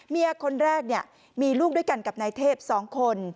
เมียคนแรกมีลูกด้วยกันกับนายเทพ๒คน